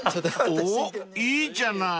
［おぉいいじゃない］